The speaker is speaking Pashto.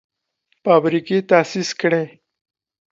فابریکې تاسیس کړي.